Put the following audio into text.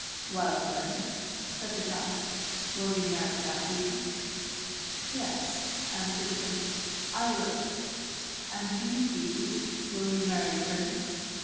"Well, then," said the Giant, "will you marry that Bee }"" Yes," answered Prince, " I will." "And you. Bee, will you marry Prince.